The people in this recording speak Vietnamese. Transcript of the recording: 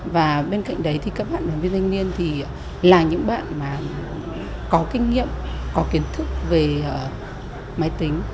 và bên cạnh đấy thì các bạn đoàn viên thanh niên thì là những bạn mà có kinh nghiệm có kiến thức về máy tính